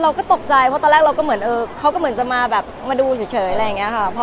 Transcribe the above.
เราก็ตกใจเพราะตอนแรกเราก็เหมือนเออเขาก็เหมือนจะมาแบบมาดูเฉยอะไรอย่างนี้ค่ะ